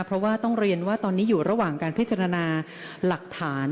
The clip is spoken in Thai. เพราะว่าต้องเรียนว่าตอนนี้อยู่ระหว่างการพิจารณาหลักฐาน